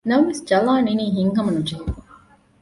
ނަމަވެސް ޖަލާން އިނީ ހިތްހަމަ ނުޖެހިފަ